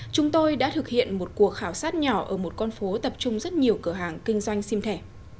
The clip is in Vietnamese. chúng tôi đã thực hiện một cuộc khảo sát nhỏ ở một con phố tập trung rất nhiều cửa hàng kinh doanh sim thẻ